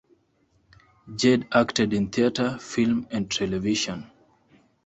Jade acted in theatre, film and television.